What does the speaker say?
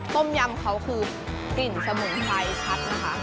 ต้มยำเขาคือกลิ่นสมุนไพรคัดนะคะ